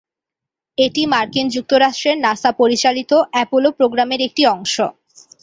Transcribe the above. এটি মার্কিন যুক্তরাষ্ট্রের নাসা পরিচালিত অ্যাপোলো প্রোগ্রামের একটি অংশ।